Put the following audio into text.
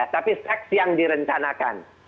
tapi seks yang direncanakan